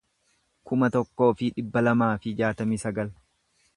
kuma tokkoo fi dhibba lamaa fi jaatamii sagal